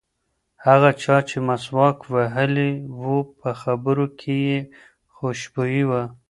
هغه چا چې مسواک وهلی و په خبرو کې یې خوشبويي وه.